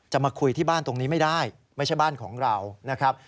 มาคุยที่บ้านตรงนี้ไม่ได้ไม่ใช่บ้านของเรานะครับ